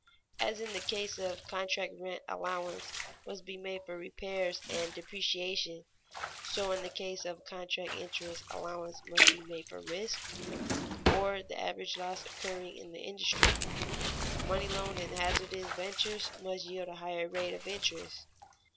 As in the case of contract rent allowance must be made for repairs and depreciation, so in the case of contract interest allowance must be made for risk, or the average loss occurring in the industry. Money loaned in hazardous ventures must yield a higher rate of interest.